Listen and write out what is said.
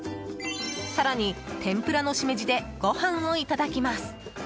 更に、天ぷらのシメジでご飯をいただきます。